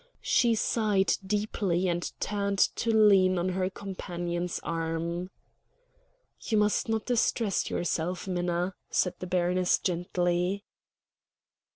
She sighed deeply and turned to lean on her companion's arm again. "You must not distress yourself, Minna," said the baroness gently.